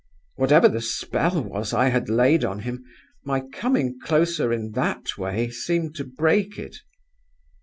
Whatever the spell was I had laid on him, my coming closer in that way seemed to break it.